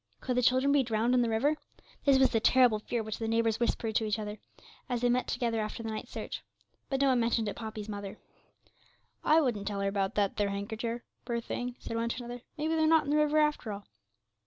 Could the children be drowned in the river? This was the terrible fear which the neighbours whispered to each other, as they met together after the night's search. But no one mentioned it to Poppy's mother. 'I wouldn't tell her about that there handkercher, poor thing,' said one to another 'maybe they're not in the river after all.'